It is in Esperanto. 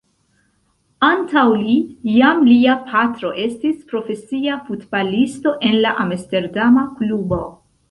Antaŭ li, jam lia patro estis profesia futbalisto en la amsterdama klubo.